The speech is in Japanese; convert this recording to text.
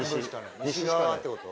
西側ってこと？